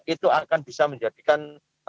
itu akan bisa menjadikan